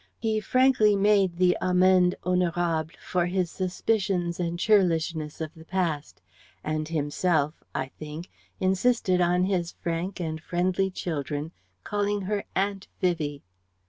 He frankly made the amende honorable for his suspicions and churlishness of the past, and himself I think insisted on his frank and friendly children calling her "Aunt Vivie."